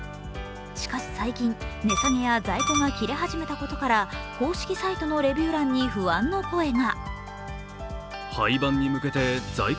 しかし最近値下げや在庫が切れ始めたことから公式サイトのレビュー欄に不安の声が。